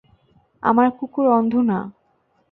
আমার কুকুর অন্ধ না!